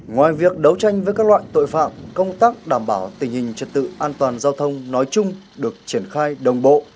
ngoài việc đấu tranh với các loại tội phạm công tác đảm bảo tình hình trật tự an toàn giao thông nói chung được triển khai đồng bộ